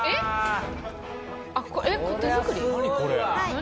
何？